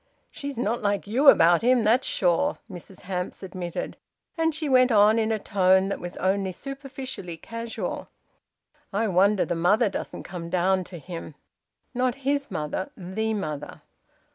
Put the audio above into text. "She's not like you about him, that's sure!" Mrs Hamps admitted. And she went on, in a tone that was only superficially casual, "I wonder the mother doesn't come down to him!" Not `his' mother `the' mother.